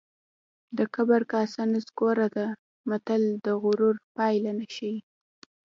د کبر کاسه نسکوره ده متل د غرور پایله ښيي